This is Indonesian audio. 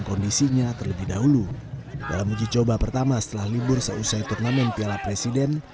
kondisinya terlebih dahulu dalam uji coba pertama setelah libur selesai turnamen piala presiden